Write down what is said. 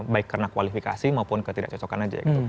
baik karena kualifikasi maupun ketidak cocokan aja gitu